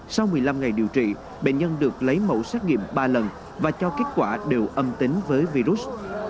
sau một mươi năm ngày điều trị bệnh nhân được lấy mẫu xét nghiệm ba lần và cho kết quả đều âm tính với virus